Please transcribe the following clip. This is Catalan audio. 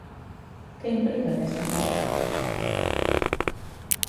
Què implica aquest acord?